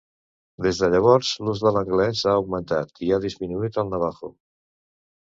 Des de llavors, l'ús de l'anglès ha augmentat i ha disminuït el navaho.